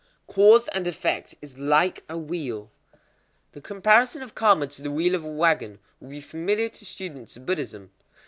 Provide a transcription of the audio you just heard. _ Cause and effect is like a wheel. The comparison of karma to the wheel of a wagon will be familiar to students of Buddhism.